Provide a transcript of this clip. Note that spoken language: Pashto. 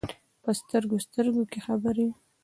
په سترګو، سترګو کې خبرې ،